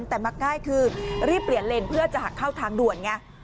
แต่มาใกล้คือรีบเปลี่ยนเลนเพื่อจะหักเข้าทางด่วนไง